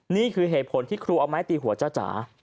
นี่คือเหตุผลที่ครูเอาไม้ตีหัวจ้าจ๋า